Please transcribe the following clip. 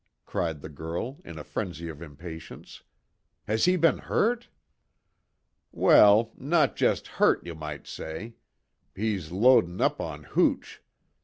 cried the girl, in a frenzy of impatience, "has he been hurt?" "Well not jest hurt, you might say. He's loadin' up on hooch.